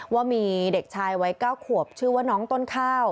ว่ามีเด็กชายวัย๙ขวบชื่อว่าน้องต้นข้าว